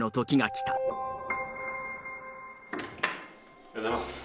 おはようございます。